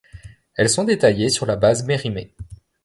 Elles sont détaillées sur la base Mérimée.